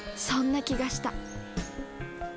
そんな気がした。